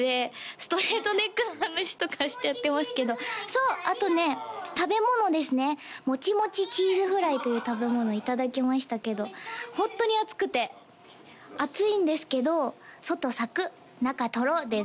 ストレートネックの話とかしちゃってますけどそうあとね食べ物ですねモチモチチーズフライという食べ物をいただきましたけどホントに熱くて熱いんですけど外サクッ中トロッでね